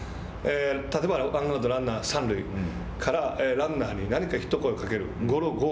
例えばワンアウト、ランナー三塁から、ランナーに何かひと言をかける。